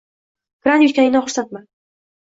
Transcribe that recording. Grant yutganingdan xursandman